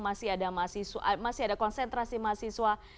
masih ada konsentrasi mahasiswa